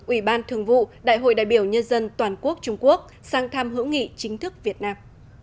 ủy ban thường vụ đại hội đại biểu nhân dân toàn quốc trung quốc sang thăm hữu nghị chính thức việt nam